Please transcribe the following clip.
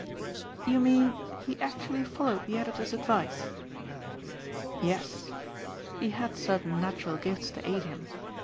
"You mean he actually followed the editor's advice?" "Yes. He had certain natural gifts to aid him.